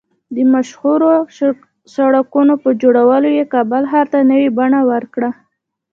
د مشهورو سړکونو په جوړولو یې کابل ښار ته نوې بڼه ورکړه